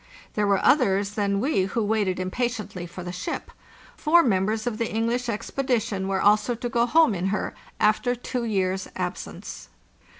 There were others than we who waited impatiently for the ship. Four members of the English expedition were also to go home in her, after two years' absence.